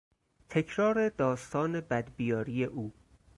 تکرار داستان بدبیاری او